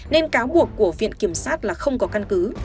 nên cáo buộc của viện kiểm sát là không có căn cứ